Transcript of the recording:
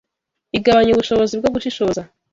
Igabanya ubushobozi bwo gushishoza